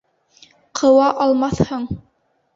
Ҡыуа алмаҫһың.